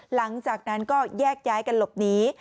หลังจากนั้นก็แยกย้ายกันหลบหนี